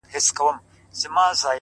بگوت گيتا د هندوانو مذهبي کتاب”